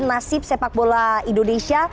nasib sepak bola indonesia